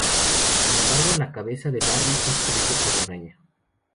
Sin embargo, la cabeza de Barry es comido por la araña.